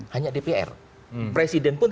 hanya dpr presiden pun